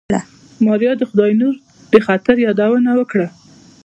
ماريا د خداينور د خطر يادونه وکړه.